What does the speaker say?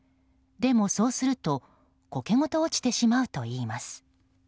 でもそうするとコケごと落ちてしまうといいます。